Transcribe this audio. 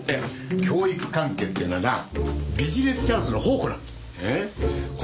教育関係っていうのはなビジネスチャンスの宝庫なの。